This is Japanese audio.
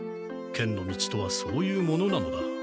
剣の道とはそういうものなのだ。